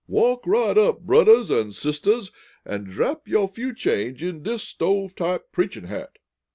"Walk right up, brudders an' sisters, an' drap yo' few change in dis stove pipe preachin' hat!"